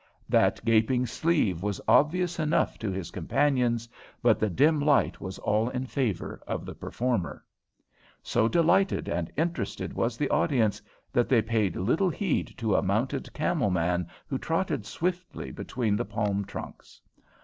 That gaping sleeve was obvious enough to his companions, but the dim light was all in favour of the performer. So delighted and interested was the audience that they paid little heed to a mounted camel man who trotted swiftly between the palm trunks.